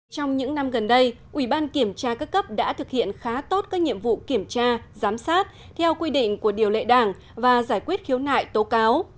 trong những năm gần đây ubkc đã thực hiện khá tốt các nhiệm vụ kiểm tra giám sát theo quy định của điều lệ đảng và giải quyết khiếu nại tố cáo